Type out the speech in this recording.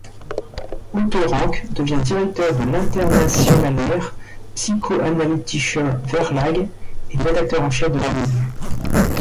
Otto Rank devient directeur de l'Internationaler Psychoanalytischer Verlag et rédacteur-en-chef de la revue.